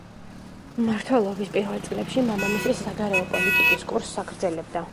მმართველობის პირველ წლებში მამამისის საგარეო პოლიტიკის კურსს აგრძელებდა.